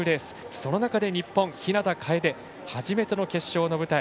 その中で日本、日向楓初めての決勝の舞台。